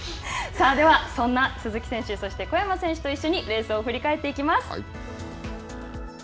では、そんな鈴木選手、そして小山選手と一緒にレースを振り返っていきます。